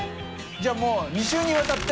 じゃあもう２週にわたって？